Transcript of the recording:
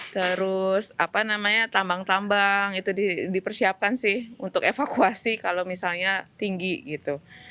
terus apa namanya tambang tambang itu dipersiapkan sih untuk evakuasi kalau misalnya tinggi gitu